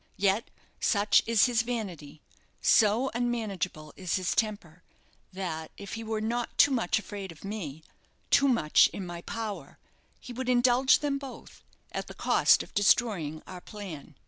Yet, such is his vanity, so unmanageable is his temper, that if he were not too much afraid of me, too much in my power, he would indulge them both at the cost of destroying our plan.